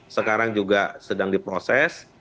sekarang juga sedang diproses